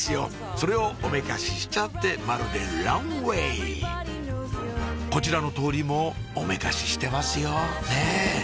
それをおめかししちゃってまるでランウェイこちらの通りもおめかししてますよねぇ？